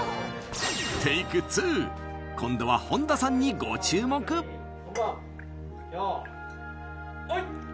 テイク２今度は本田さんにご注目本番よいはい！